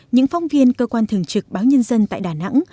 những phóng viên cơ quan thường trực báo nhân dân tại đà nẵng